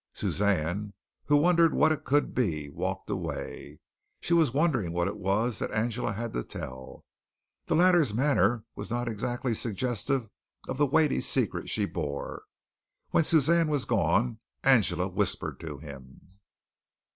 Suzanne, who wondered what it could be, walked away. She was wondering what it was that Angela had to tell. The latter's manner was not exactly suggestive of the weighty secret she bore. When Suzanne was gone, Angela whispered to him.